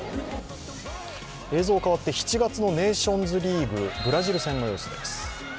映像変わって７月のネーションズリーグブラジル戦の様子です。